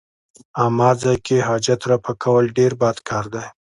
عامه ځای کې حاجت رفع کول ډېر بد کار دی.